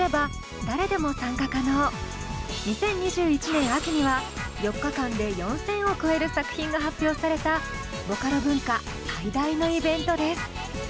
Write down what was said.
２０２１年秋には４日間で４，０００を超える作品が発表されたボカロ文化最大のイベントです。